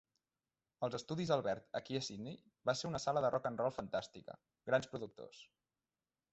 Els Estudis Albert aquí a Sydney va ser una sala de rock and roll fantàstica... Grans productors.